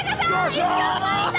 １億ポイント！